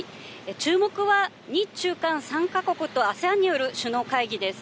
注目は日中韓３か国とＡＳＥＡＮによる首脳会議です。